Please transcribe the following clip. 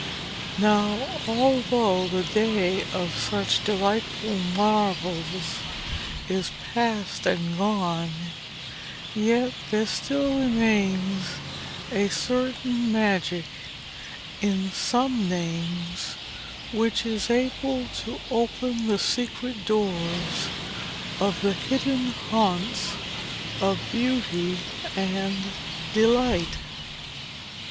Now, although the day of such delightful marvels is past and gone, yet there still remains a certain magic in some names which is able to open the secret doors of the hidden haunts of beauty and delight.